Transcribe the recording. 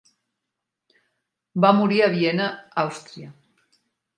Va morir a Viena, Àustria.